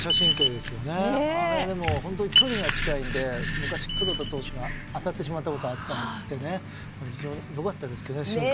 でも本当に距離が近いので昔、黒田投手が当たってしまったことがあったんですってね。